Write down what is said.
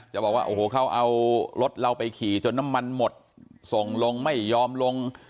บอกว่าโอ้โหเขาเอารถเราไปขี่จนน้ำมันหมดส่งลงไม่ยอมลง